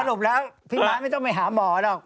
สรุปแล้วพี่ม้าไม่ต้องไปหาหมอหรอก